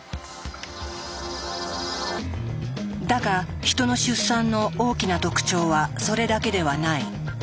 だがヒトの出産の大きな特徴はそれだけではない。